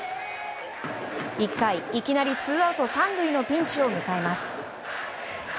１回、いきなりツーアウト３塁のピンチを迎えます。